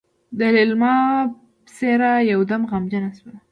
د ليلما څېره يودم غمجنه شوه.